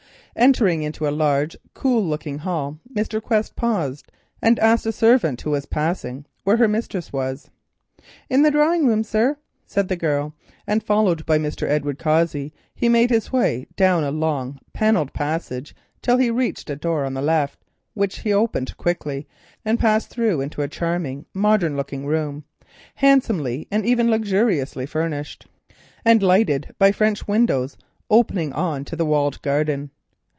Entering a large, cool looking hall, Mr. Quest paused and asked a servant who was passing there where her mistress was. "In the drawing room, sir," said the girl; and, followed by Edward Cossey, he walked down a long panelled passage till he reached a door on the left. This he opened quickly and passed through into a charming, modern looking room, handsomely and even luxuriously furnished, and lighted by French windows opening on to the walled garden.